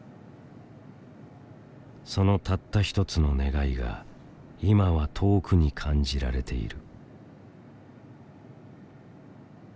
そのたった一つの願いが今は遠くに感じられている。